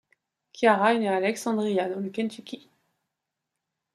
Ciara est née à Alexandria, dans le Kentucky.